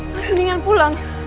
mas mendingan pulang